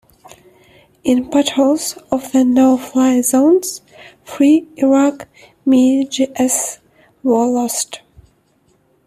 In patrols of the no-fly zones, three Iraqi MiGs were lost.